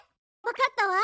わかったわ！